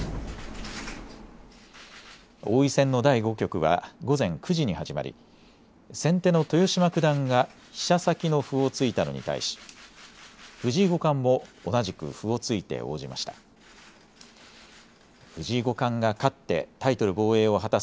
王位戦の第５局は午前９時に始まり先手の豊島九段が飛車先の歩を突いたのに対し藤井五冠も同じく歩を突いて応じました。